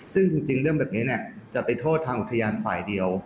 ซึ่งจริงเรื่องแบบนี้จะไปโทษทางอุทยานฝ่ายเดียว